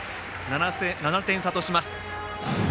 ７点差とします。